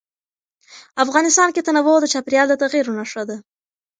افغانستان کې تنوع د چاپېریال د تغیر نښه ده.